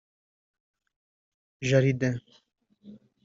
jardin